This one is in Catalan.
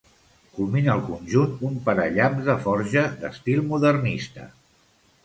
Culmina el conjunt un parallamps de forja d'estil modernista.